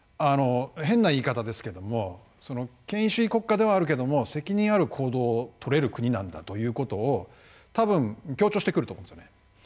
変な言い方ですけども権威主義国家ではあるけども責任ある行動をとれる国なんだということを多分強調してくると思うんですよね。